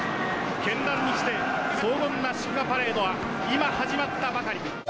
絢爛にして荘厳な祝賀パレードは今始まったばかり。